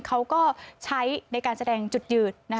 เขาก็ใช้ในการแสดงจุดยืน